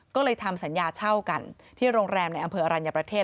ก็เลยทำสัญญาเช่ากันที่โรงแรมในอำเภออรัญญประเทศ